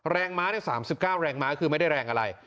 ม้า๓๙แรงม้าคือไม่ได้แรงอะไร